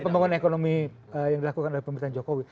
pembangunan ekonomi yang dilakukan oleh pemerintahan jokowi